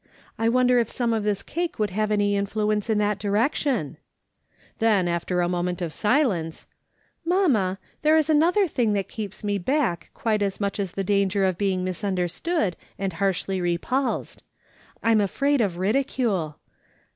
I wonder if some of this cake would have any influence in that direction ?" Then, after a moment of silence :" Mamma, there is another thing that keeps me back quite as much as the danger of being misunderstood and harshly repulsed ; I'm afraid of ridicule.